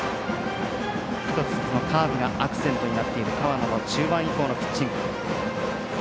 １つカーブがアクセントになっている河野の中盤以降のピッチング。